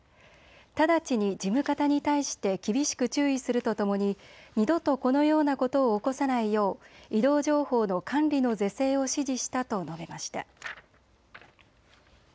直ちに事務方に対して厳しく注意するとともに二度とこのようなことを起こさないよう異動情報の管理の是正を指示したと述べました。